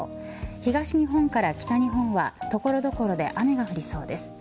東日本から北日本は所々で雨が降りそうです。